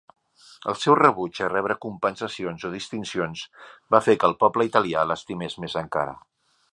El seu rebuig a rebre compensacions o distincions va fer que el poble italià l"estimés més encara.